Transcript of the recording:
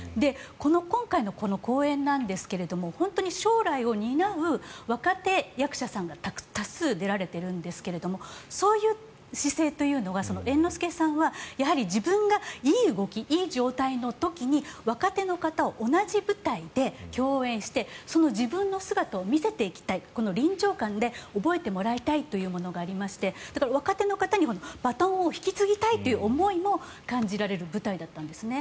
今回のこの公演なんですが本当に将来を担う若手役者さんが多数出られているんですがそういう姿勢というのが猿之助さんはやはり自分がいい動きいい状態の時に若手の方と同じ舞台で共演してその自分の姿を見せていきたい臨場感で覚えてもらいたいというものがありまして若手の方に、バトンを引き継ぎたいという思いも感じられる舞台だったんですね。